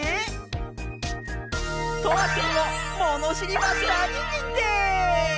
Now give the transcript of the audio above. とわくんをものしりマスターににんてい！